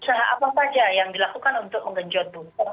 apa saja yang dilakukan untuk mengenjot booster